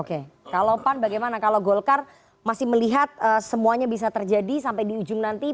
oke kalau pan bagaimana kalau golkar masih melihat semuanya bisa terjadi sampai di ujung nanti